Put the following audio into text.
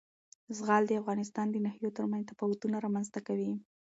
زغال د افغانستان د ناحیو ترمنځ تفاوتونه رامنځ ته کوي.